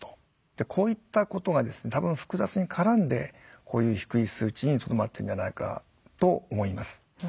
こういったことがですね多分複雑に絡んでこういう低い数値にとどまってるんじゃないかと思います。